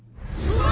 うわ！